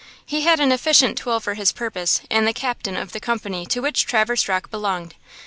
He had an efficient tool for his purpose in the Captain of the company to which Traverse Rocke belonged.